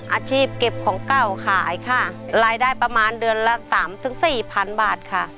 อาชีพเก็บของเก่าขายค่ะรายได้ประมาณเดือนละสามถึงสี่พันบาทค่ะ